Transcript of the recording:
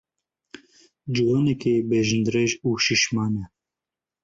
Ciwanekî bejindirêj û şîşman e.